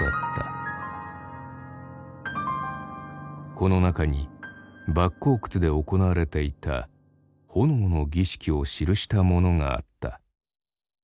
この中に莫高窟で行われていた炎の儀式を記したものがあった。